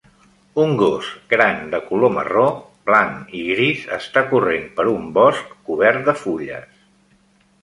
Un gos gran de color marró, blanc i gris està corrent per un bosc cobert de fulles.